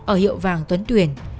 ở hiệu vàng tuấn tuyển